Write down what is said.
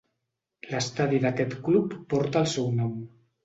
L'estadi d'aquest club porta el seu nom.